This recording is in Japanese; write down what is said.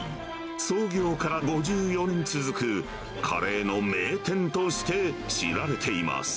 創業から５４年続く、カレーの名店として知られています。